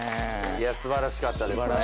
素晴らしかったですね